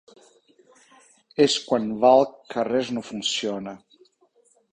És quan valc que res no funciona.